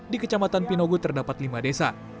di kecamatan pinogu terdapat lima desa